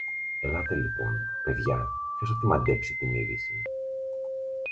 Ελάτε λοιπόν, παιδιά, ποιος θα τη μαντέψει την είδηση;